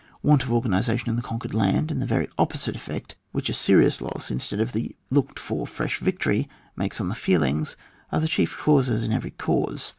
Want of organization in the conquered land, and the very opposite effect which a serious loss instead of the looked for fresh victory makes on the feelings, are the chief causes in every case.